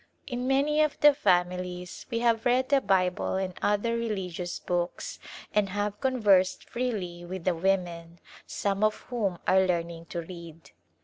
In many of the families we have read the Bible and other religious books and have conversed freely with the women, some of whom are learning to read.